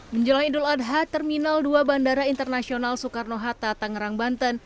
menjelang idul adha terminal dua bandara internasional soekarno hatta tangerang banten